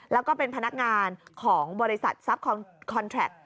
แล้วก็เป็นพนักงานของบริษัทซับคอนแคลร์ต